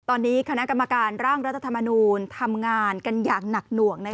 ตอนนี้คณะกรรมการร่างรัฐธรรมนูลทำงานกันอย่างหนักหน่วง